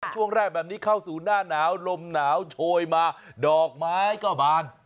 ช่วงแรกแบบนี้เข้าสู่หน้าหนาวลมหนาวโชยมาดอกไม้ก็บาน